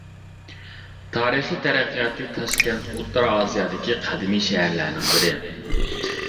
تارىخى تەرەققىياتى تاشكەنت ئوتتۇرا ئاسىيادىكى قەدىمىي شەھەرلەرنىڭ بىرى.